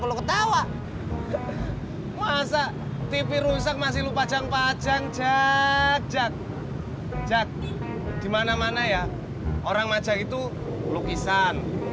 kenapa lu ketawa masa tv rusak masih lu pajang pajang jack jack jack dimana mana ya orang majak itu lukisan